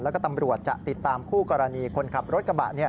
แล้วก็ตำรวจจะติดตามคู่กรณีคนขับรถกระบะ